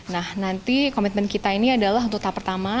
nah nanti komitmen kita ini adalah untuk tahap pertama